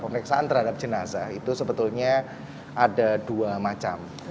pemeriksaan terhadap jenazah itu sebetulnya ada dua macam